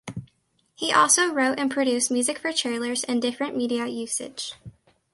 He also wrote and produced music for trailers and different media usage.